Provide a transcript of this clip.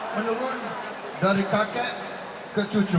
menurun dari kakek ke cucu